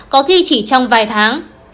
có khi chỉ trong vài tháng